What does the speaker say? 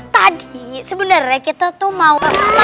tadi sebenarnya kita tuh mau